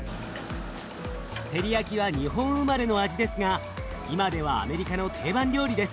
テリヤキは日本生まれの味ですが今ではアメリカの定番料理です。